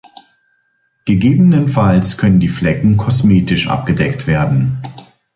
Gegebenenfalls können die Flecken kosmetisch abgedeckt werden.